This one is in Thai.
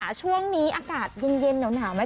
อ่าช่วงนี้อากาศเย็นเย็นหนาวหนาวไหม